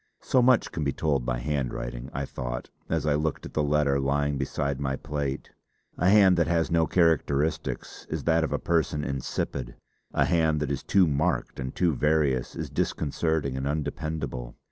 So much can be told by handwriting, I thought, as I looked at the letter lying beside my plate. A hand that has no characteristics is that of a person insipid; a hand that is too marked and too various is disconcerting and undependable.